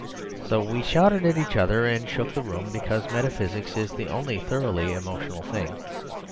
So we shouted at each other and shook the room; because metaphysics is the only thoroughly emotional thing.